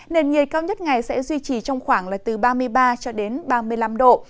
nền nhiệt cao nhất ngày sẽ duy trì trong khoảng là từ ba mươi ba ba mươi năm độ